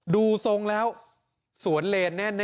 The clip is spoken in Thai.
ดูทรงแล้วสวนเลนแน่